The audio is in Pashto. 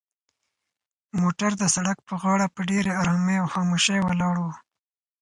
موټر د سړک په غاړه په ډېرې ارامۍ او خاموشۍ ولاړ و.